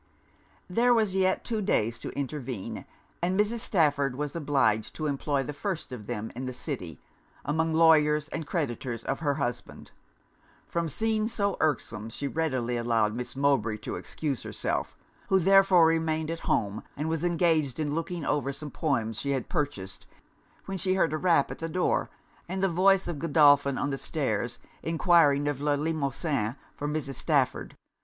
There was yet two days to intervene; and Mrs. Stafford was obliged to employ the first of them in the city, among lawyers and creditors of her husband. From scenes so irksome she readily allowed Miss Mowbray to excuse herself; who therefore remained at home, and was engaged in looking over some poems she had purchased, when she heard a rap at the door, and the voice of Godolphin on the stairs enquiring of Le Limosin for Mrs. Stafford.